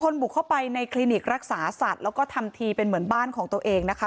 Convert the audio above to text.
บุกเข้าไปในคลินิกรักษาสัตว์แล้วก็ทำทีเป็นเหมือนบ้านของตัวเองนะคะ